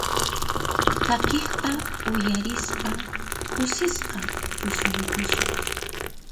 Takiqta uyarispa kusisqa tusuyukusun.